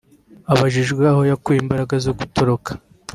Abajijwe aho yakuye imbaraga zo gutoroka